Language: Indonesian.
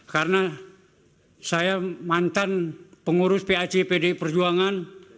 karena saya mantan pengurus pac pd perjuangan